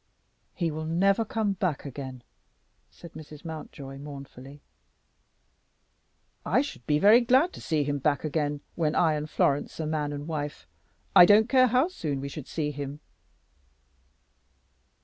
"He will never come back again," said Mrs. Mountjoy, mournfully. "I should be very glad to see him back when I and Florence are man and wife. I don't care how soon we should see him."